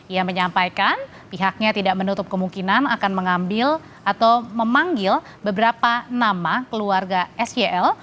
ia menyampaikan pihaknya tidak menutup kemungkinan akan mengambil atau memanggil beberapa nama keluarga syl